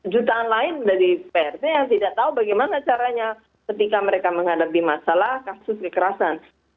jutaan lain dari prt yang tidak tahu bagaimana caranya ketika mereka menghadapi masalah kasus kekerasan